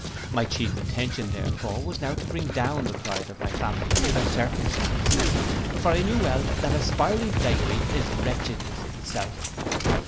My chief attention therefore was now to bring down the pride of my family to their circumstances; for I well knew that aspiring beggary is wretchedness itself.